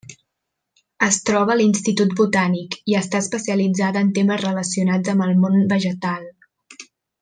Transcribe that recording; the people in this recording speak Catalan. Es troba a l'Institut Botànic i està especialitzada en temes relacionats amb el món vegetal.